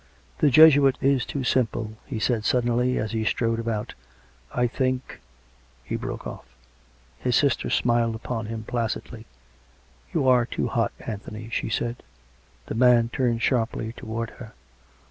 " The Jesuit is too simple," he said suddenly, as he strode about. " I think " He broke off. His sister smiled upon him placidly. " You are too hot, Anthony," she said. The man turned sharply towards her.